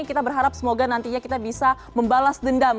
kita berharap semoga nantinya kita bisa membalas dendam